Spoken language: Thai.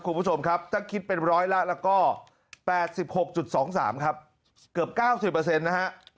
คุณผู้ชมครับถ้าคิดเป็นร้อยละแล้วก็๘๖๒๓ครับเกือบ๙๐นะฮะ